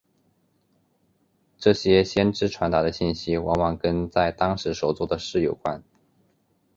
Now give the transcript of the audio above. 这些先知传达的信息往往跟在当时所做的事有关。